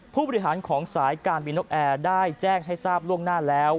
ผู้บริหารของสายการบินนกแอร์ได้แจ้งให้ทราบล่วงหน้าแล้ว